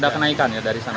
ada kenaikan ya dari sana